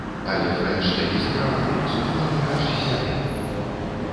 Але фрэнч такі зграбны, сукно дык аж ззяе.